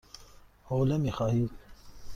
حوله می خواهید؟